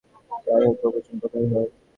যাইহোক, প্রবচন কোথায় হয়?